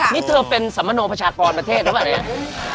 นี่เธอเป็นสัมมโนประชากรประเทศหรือเปล่าเนี่ย